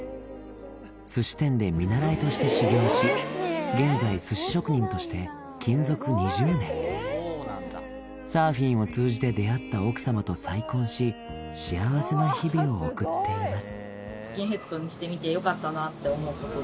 寿司店で見習いとして修業し現在寿司職人として勤続２０年サーフィンを通じて出会った奥様と再婚し幸せな日々を送っています